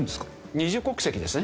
二重国籍ですね。